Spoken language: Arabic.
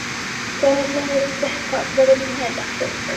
كانت ليلى تستحقّ أفضل من هذا.